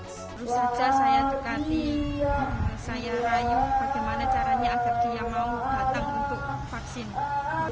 terus saja saya dekati saya rayu bagaimana caranya agar dia mau datang untuk vaksin